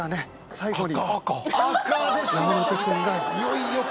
最後に。